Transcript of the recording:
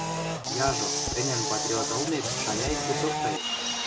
Яжо, ӹнян патриот ылмет шаяэт гӹцок каеш.